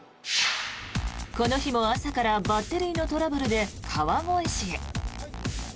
この日も朝からバッテリーのトラブルで川越市へ。